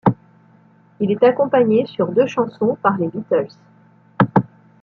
Il est accompagnée sur deux chansons par les Beatles.